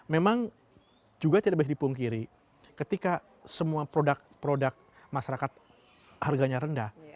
memang juga tidak bisa dipungkiri ketika semua produk produk masyarakat harganya rendah